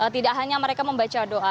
tidak hanya mereka membaca doa